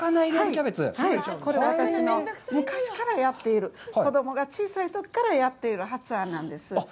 これ、私の、昔からやっている、子供が小さいときからやっている発案なんです。